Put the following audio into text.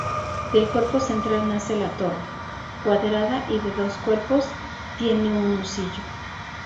Del cuerpo central nace la torre, cuadrada y de dos cuerpos; tiene un husillo.